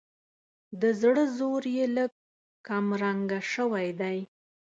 د زړه زور یې لږ کمرنګه شوی دی.